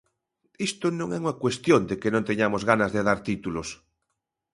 Isto non é unha cuestión de que non teñamos ganas de dar títulos.